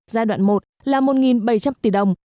giai đoạn một là một bảy trăm linh tỷ đồng